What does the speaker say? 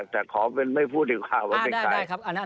แต่ขอไม่พูดถึงข่าวว่าเป็นใคร